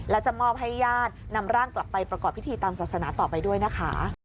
และจะมอบให้ญาตินำร่างกลับไปประกอบพิธีตามศาสนาต่อไปด้วยนะคะ